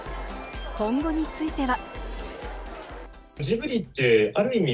今後については。